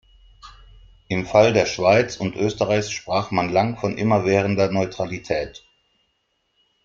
Im Fall der Schweiz und Österreichs sprach man lang von immerwährender Neutralität.